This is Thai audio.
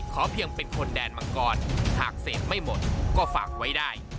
เพียงเป็นคนแดนมังกรหากเสพไม่หมดก็ฝากไว้ได้